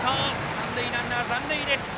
三塁ランナー、残塁です。